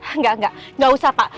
enggak enggak enggak usah pak